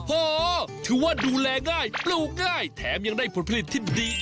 โหถือว่าดูแลง่ายปลูกง่ายแถมยังได้ผลผลิตที่ดี